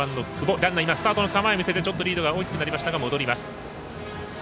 ランナー、スタートの構えを見せリード大きくなりましたが戻りました。